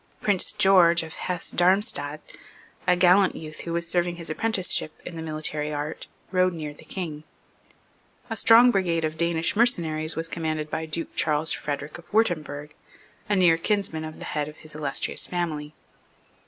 Prince George of Hesse Darmstadt, a gallant youth who was serving his apprenticeship in the military art, rode near the King. A strong brigade of Danish mercenaries was commanded by Duke Charles Frederic of Wirtemberg, a near kinsman of the head of his illustrious family.